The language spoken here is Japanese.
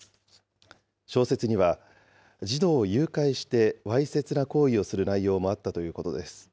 小説には、児童を誘拐して、わいせつな行為をする内容もあったということです。